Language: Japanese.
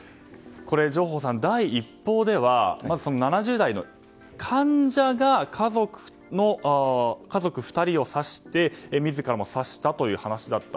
上法さん、第一報では７０代の患者が家族２人を刺して自らも刺したという話だった。